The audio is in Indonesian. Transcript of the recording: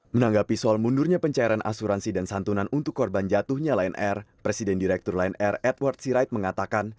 menanggapi soal mundurnya pencairan asuransi dan santunan untuk korban jatuhnya lion air presiden direktur lion air edward sirait mengatakan